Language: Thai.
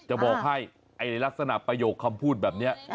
จะบอกให้ลักษณะประโยคคำพูดแบบนี้